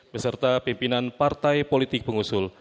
beserta pimpinan partai politik pengusul